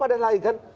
padahal lagi kan